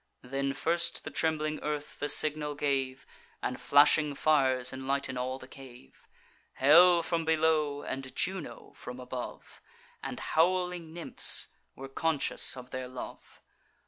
Then first the trembling earth the signal gave, And flashing fires enlighten all the cave; Hell from below, and Juno from above, And howling nymphs, were conscious of their love.